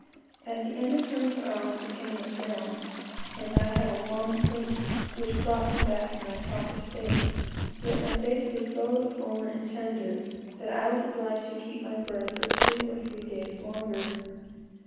At the end of twenty four hours the pain went down, and I had a long sleep, which brought me back to my proper state; yet my face was so swollen and tender, that I was obliged to keep to my berth for two or three days longer.